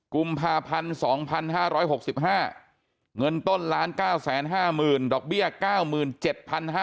กุมภาพันธ์๒๕๖๕เงินต้น๑๙๕๐๐๐ดอกเบี้ย๙๗๕๐๐